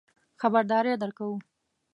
خبرداری درکوو.